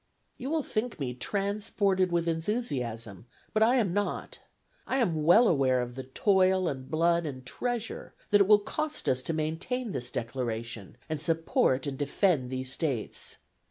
"You will think me transported with enthusiasm, but I am not. I am well aware of the toil and blood and treasure that it will cost us to maintain this Declaration and support and defend these States.